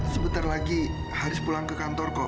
sebentar lagi harus pulang ke kantor kok